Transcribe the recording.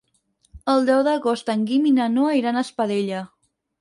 El deu d'agost en Guim i na Noa iran a Espadella.